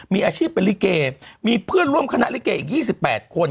มีอาชีพเป็นลิเกมีเพื่อนร่วมคณะลิเกอีก๒๘คน